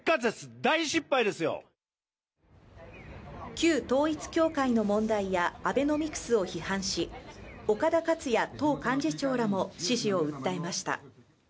旧統一教会の問題やアベノミクスを批判し、岡田克也党幹事長らも支持を訴えました。